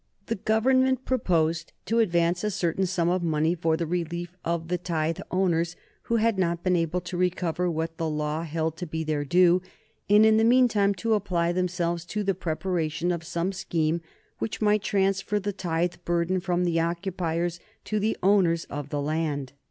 The Government proposed to advance a certain sum of money for the relief of the tithe owners who had not been able to recover what the law held to be their due, and in the meantime to apply themselves to the preparation of some scheme which might transfer the tithe burden from the occupiers to the owners of the land.